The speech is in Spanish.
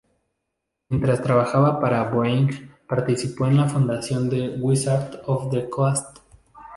Mientras trabajaba para Boeing participó en la fundación de Wizards of the Coast.